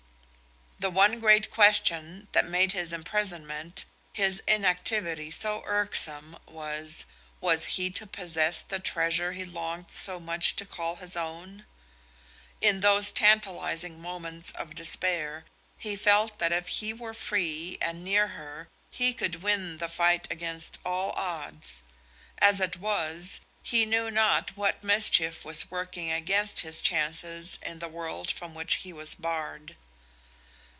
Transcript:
The one great question that made his imprisonment, his inactivity so irksome was: Was he to possess the treasure he longed so much to call his own? In those tantalizing moments of despair he felt that if he were free and near her he could win the fight against all odds. As it was, he knew not what mischief was working against his chances in the world from which he was barred.